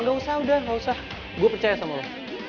nggak usah udah gak usah gue percaya sama lo